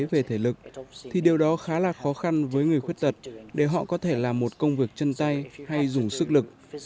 về thể lực thì điều đó khá là khó khăn với người khuyết tật để họ có thể làm một công việc chân tay hay dùng sức lực